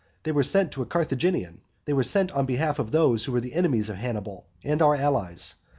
They were sent to a Carthaginian, they were sent on behalf of those who were the enemies of Hannibal, and our allies.